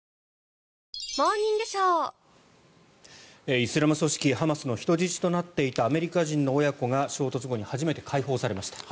イスラム組織ハマスの人質となっていたアメリカ人の親子が衝突後に初めて解放されました。